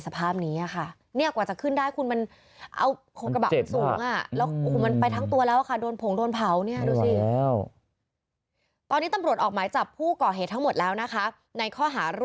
ใจมันนอนอยู่ใจมันนอนอยู่ใจมันนอนอยู่ใจมันนอนอยู่ใจมันนอนอยู่ใจมันนอนอยู่ใจมันนอนอยู่ใจมันนอนอยู่ใจมันนอนอยู่ใจ